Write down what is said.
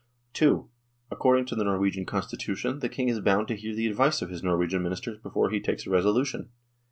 II. According to the Norwegian Constitution the King is bound to hear the advice of his Norwegian Ministers before he takes a resolution.